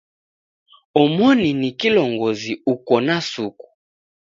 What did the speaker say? Omoni ni kilongozi uko na suku.